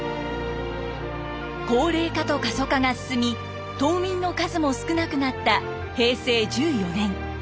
高齢化と過疎化が進み島民の数も少なくなった平成１４年。